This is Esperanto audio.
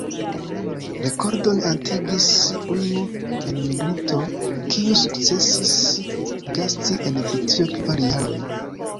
Rekordon atingis unu enmigrinto, kiu sukcesis gasti en Britio kvar jarojn.